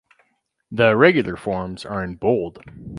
The irregular forms are in bold.